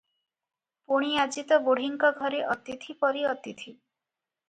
ପୁଣି ଆଜି ତ ବୁଢ଼ୀଙ୍କ ଘରେ ଅତିଥି ପରି ଅତିଥି ।-